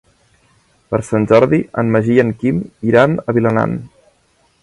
Per Sant Jordi en Magí i en Quim iran a Vilanant.